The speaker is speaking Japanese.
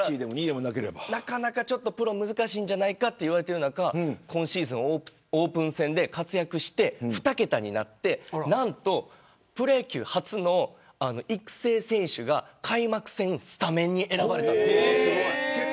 なかなかプロが難しいと言われている中今シーズン、オープン戦で活躍して２桁になって何とプロ野球初の育成選手が開幕戦スタメンに選ばれました。